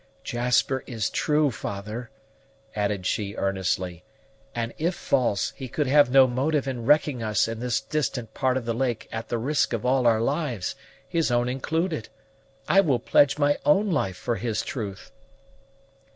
"Jasper is true, father," added she earnestly; "and if false, he could have no motive in wrecking us in this distant part of the lake at the risk of all our lives, his own included. I will pledge my own life for his truth."